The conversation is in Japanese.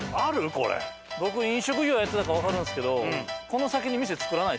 僕飲食業やってたからわかるんですけど。